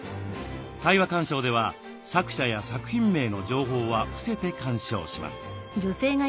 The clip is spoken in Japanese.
対話鑑賞では作者や作品名の情報は伏せて鑑賞します。